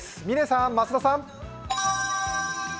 嶺さん、増田さん。